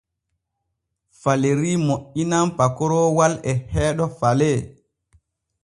Faleri moƴƴinan pakoroowal e heeɗo Falee.